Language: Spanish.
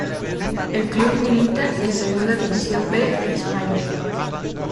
El club milita en Segunda División B de España.